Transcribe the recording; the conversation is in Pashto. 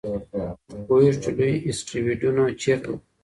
موږ پوهېږو چې لوی اسټروېډونه چیرته دي.